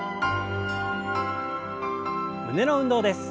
胸の運動です。